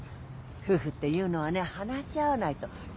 夫婦っていうのはね話し合わないと。